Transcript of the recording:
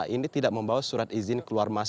ini tidak membawa surat izin keluarga